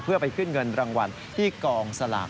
เพื่อไปขึ้นเงินรางวัลที่กองสลาก